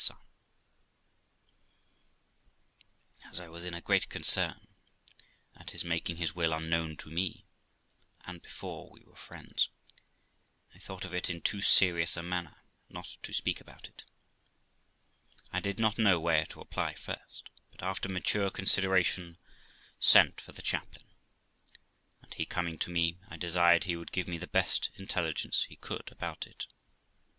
420 THE LIFE OF ROXANA As I was in a great concern at his making his will unknown to me, and before we were friends, I thought of it in too serious a manner not to speak about it. I did not know where to apply first, but after mature consideration sent for the chaplain, and he coming to me, I desired he would give me the best intelligence he could about it.